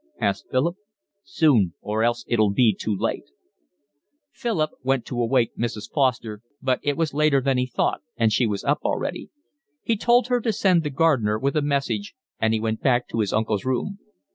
asked Philip. "Soon, or else it'll be too late." Philip went to awake Mrs. Foster, but it was later than he thought and she was up already. He told her to send the gardener with a message, and he went back to his uncle's room.